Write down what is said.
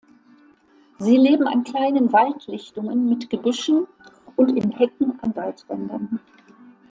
Sie leben an kleinen Waldlichtungen mit Gebüschen und in Hecken an Waldrändern.